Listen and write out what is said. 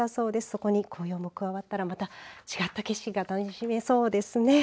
そこに紅葉も加わったら景色が楽しめそうですね。